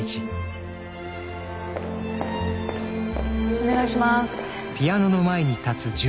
お願いします。